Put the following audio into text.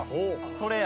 それや。